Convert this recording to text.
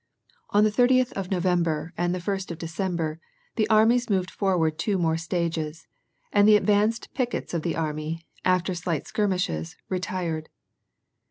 On the thirtieth of November and the first of December, the armies moved forward two more stages, and the advanced pickets of the enemy, after slight skirmishes, retired.